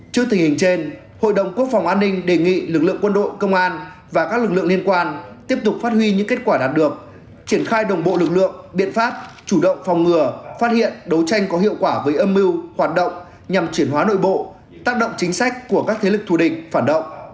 trước tình hình trên hội đồng quốc phòng an ninh đề nghị lực lượng quân đội công an và các lực lượng liên quan tiếp tục phát huy những kết quả đạt được triển khai đồng bộ lực lượng biện pháp chủ động phòng ngừa phát hiện đấu tranh có hiệu quả với âm mưu hoạt động nhằm chuyển hóa nội bộ tác động chính sách của các thế lực thù địch phản động